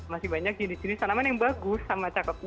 masih banyak jenis jenis tanaman yang bagus sama cakep